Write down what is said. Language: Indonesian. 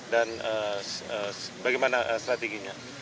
dan bagaimana strateginya